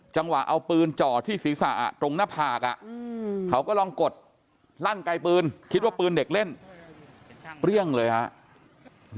จังหวะเอาปืนจ่อที่ศีรษะตรงหน้าผากเขาก็ลองกดลั่นไกลปืนคิดว่าปืนเด็กเล่นเปรี้ยงเลยครับ